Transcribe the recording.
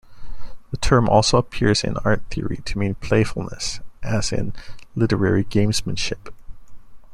The term also appears in art theory to mean playfulness, as in "literary gamesmanship".